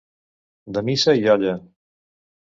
De missa i olla.